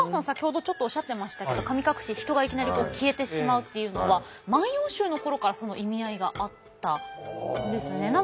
先ほどちょっとおっしゃってましたけど神隠し人がいきなり消えてしまうっていうのは「万葉集」の頃からその意味合いがあったんですね。